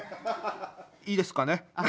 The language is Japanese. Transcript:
いいですかね？